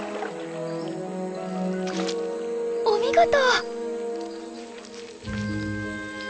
お見事！